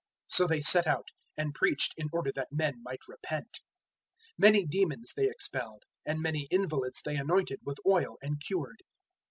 006:012 So they set out, and preached in order that men might repent. 006:013 Many demons they expelled, and many invalids they anointed with oil and cured.